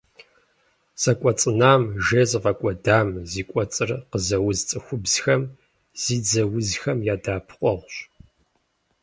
Зэкӏуэцӏынам, жейр зыфӏэкӏуэдам, зи кӏуэцӏыр къызэуз цӏыхубзхэм, зи дзэр узхэм я дэӏэпыкъуэгъущ.